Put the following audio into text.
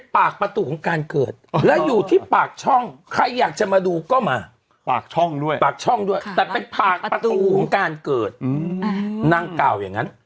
ปากช่องด้วยปากช่องด้วยแต่เป็นปากประตูของการเกิดนั่งก้าวอย่างนั้น